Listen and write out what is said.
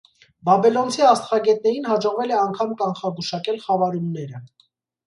Բաբելոնցի աստղագետներին հաջողվել է անգամ կանխագուշակել խավարումները։